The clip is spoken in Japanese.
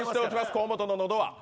河本の喉は。